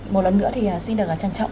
một lần nữa thì xin được trân trọng